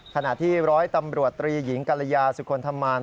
ขณะที่ร้อยตำรวจตรีหญิงกรยาสุคลธรรมาน